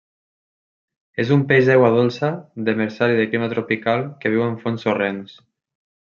És un peix d'aigua dolça, demersal i de clima tropical que viu en fons sorrencs.